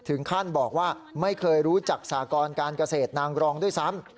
ถึงขั้นบอกว่าไม่เคยรู้จักสากรการเกษตรนางรองด้วยซ้ำ